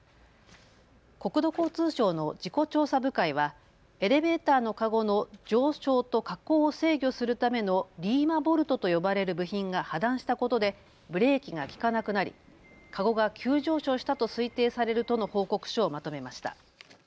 国土交通省の事故調査部会はエレベーターのかごの上昇と下降を制御するためのリーマボルトと呼ばれる部品が破断したことでブレーキが利かなくなり、かごが急上昇したと推定されるとの報告書をまとめました。